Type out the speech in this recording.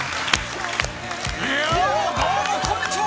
どうも、こんにちは！